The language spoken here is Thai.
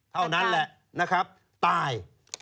เท่านั้นแหละนะครับตาย